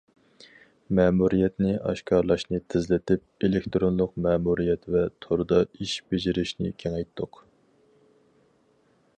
مەمۇرىيەتنى ئاشكارىلاشنى تېزلىتىپ، ئېلېكتىرونلۇق مەمۇرىيەت ۋە توردا ئىش بېجىرىشنى كېڭەيتتۇق.